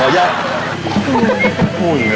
พูดอย่างเงิน